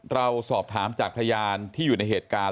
เราสอบถามจากพยานที่อยู่ในเหตุการณ์